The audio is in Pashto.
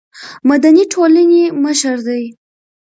مدني ټولنې مشر دی.